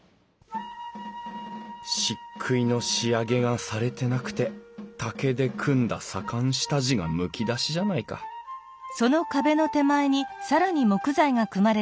しっくいの仕上げがされてなくて竹で組んだ左官下地がむき出しじゃないか何だ？